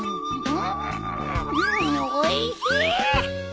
んおいしい。